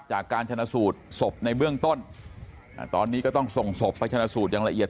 จากการชนะสูตรศพในเบื้องต้นตอนนี้ก็ต้องส่งศพไปชนะสูตรอย่างละเอียด